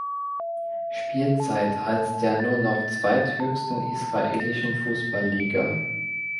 Spielzeit als der nur noch zweithöchsten israelischen Fußballliga.